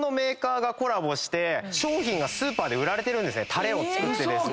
たれを作ってですね。